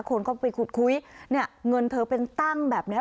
คนก็ไปขุดคุยเนี่ยเงินเธอเป็นตั้งแบบเนี้ย